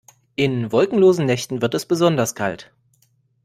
In wolkenlosen Nächten wird es besonders kalt.